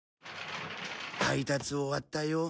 配達終わったよ。